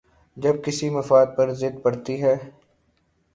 جب کسی مفاد پر زد پڑتی ہے۔